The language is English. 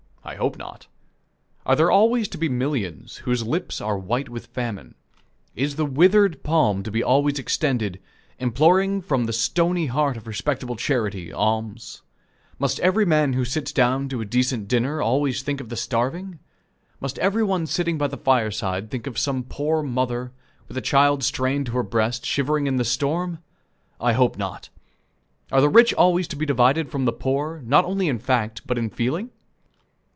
I hope not. Are there always to be millions whose lips are white with famine? Is the withered palm to be always extended, imploring from the stony heart of respectable charity, alms? Must every man who sits down to a decent dinner always think of the starving? Must every one sitting by the fireside think of some poor mother, with a child strained to her breast, shivering in the storm? I hope not. Are the rich always to be divided from the poor, not only in fact, but in feeling?